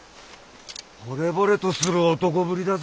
ほれぼれとする男ぶりだぜ。